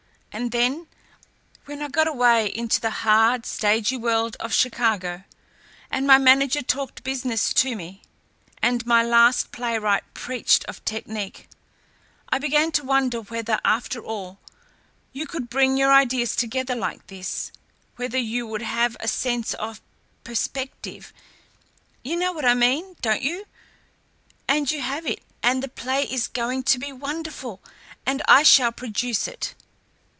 And then, when I got away into the hard, stagey world of Chicago, and my manager talked business to me, and my last playwright preached of technique, I began to wonder whether, after all, you could bring your ideas together like this, whether you would have a sense of perspective you know what I mean, don't you? And you have it, and the play is going to be wonderful, and I shall produce it.